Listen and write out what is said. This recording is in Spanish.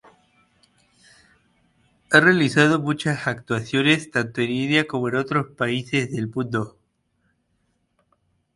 Ha realizado muchas actuaciones tanto en India como en otros países del mundo.